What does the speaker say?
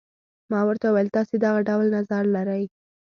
ما ورته وویل تاسي دغه ډول نظر لرئ.